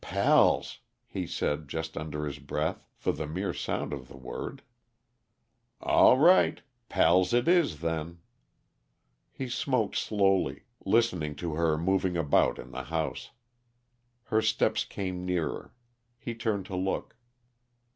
"Pals!" he said just under his breath, for the mere sound of the word. "All right pals it is, then." He smoked slowly, listening to her moving about in the house. Her steps came nearer. He turned to look.